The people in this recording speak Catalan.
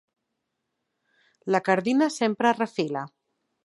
La cardina sempre refila.